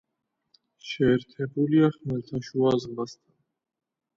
შეერთებულია ხმელთაშუა ზღვასთან.